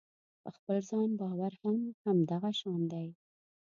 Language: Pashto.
په خپل ځان باور هم همدغه شان دی.